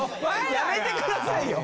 やめてくださいよ。